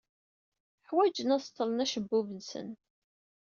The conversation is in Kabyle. Ḥwajen ad seḍḍlen acebbub-nsen.